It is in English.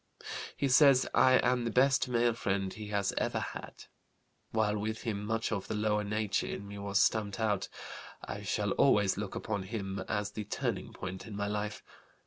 He says I am the best male friend he has ever had. While with him, much of the lower nature in me was stamped out. I shall always look upon him as the turning point in my life.